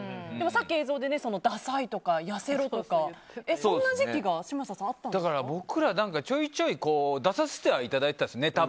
さっき映像でダサいとか痩せろとか、そんな時期が僕ら、ちょいちょい出させてはいただいてたんですネタ